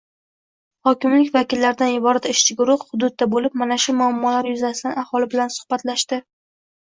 Hokimlik vakillaridan iborat ishchi guruh hududda boʻlib, mana shu muammolar yuzasidan aholi bilan suhbatlashdi.